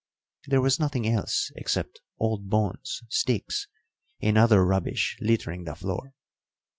There was nothing else except old bones, sticks, and other rubbish littering the floor.